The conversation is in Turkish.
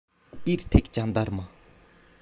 Bir tek candarma…